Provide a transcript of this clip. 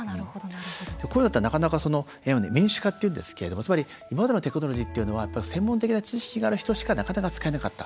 こういうのを民主化って言うんですけどつまり、テクノロジーというのは専門的な知識がある人以外はなかなか使えなかった。